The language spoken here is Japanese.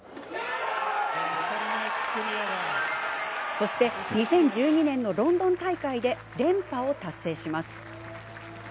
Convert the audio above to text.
そして２０１２年のロンドン大会で連覇を達成します。